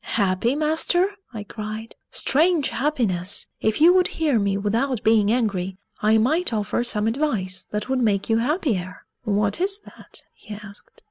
"Happy, master?" I cried. "Strange happiness! If you would hear me without being angry, I might offer some advice that would make you happier." "What is that?" he asked.